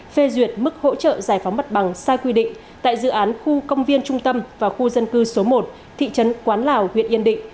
phê duyệt mức hỗ trợ giải phóng mặt bằng sai quy định tại dự án khu công viên trung tâm và khu dân cư số một thị trấn quán lào huyện yên định